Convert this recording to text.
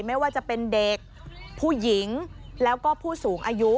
ไม่ว่าจะเป็นเด็กผู้หญิงแล้วก็ผู้สูงอายุ